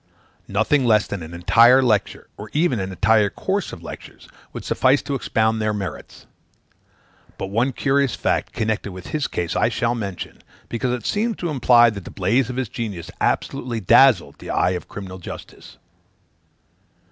Nothing less than an entire lecture, or even an entire course of lectures, would suffice to expound their merits. But one curious fact, connected with his case, I shall mention, because it seems to imply that the blaze of his genius absolutely dazzled the eye of criminal justice.